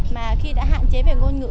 mà khi đã hạn chế về ngôn ngữ